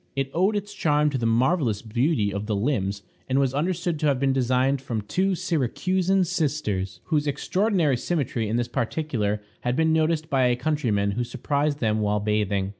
It owed its charm to the marvelous beauty of the limbs, and was understood to have been designed from two Syracusan sisters, whose extraordinary symmetry in this particular had been noticed by a countryman who surprised them while bathing.